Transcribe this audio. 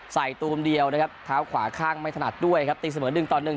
ตูมเดียวนะครับเท้าขวาข้างไม่ถนัดด้วยครับตีเสมอหนึ่งต่อหนึ่ง